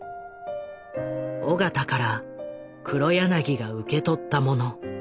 緒方から黒柳が受け取ったもの。